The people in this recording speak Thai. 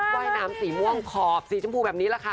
ว่ายน้ำสีม่วงขอบสีชมพูแบบนี้แหละค่ะ